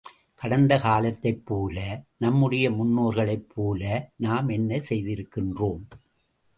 கடந்த காலத்தைப் போல, நம்முடைய முன்னோர்களைப்போல நாம் என்ன செய்திருக்கின்றோம்?